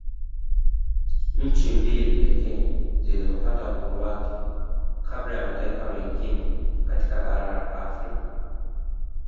Nchi mbili pekee zilizopata uhuru wake kabla ya mataifa mengina katika bara la Afrika